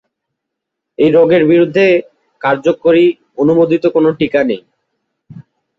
এই রোগের বিরুদ্ধে কার্যকরী অনুমোদিত কোনো টিকা নেই।